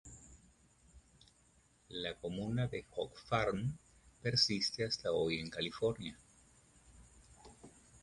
La comuna de Hog Farm persiste hasta hoy en California.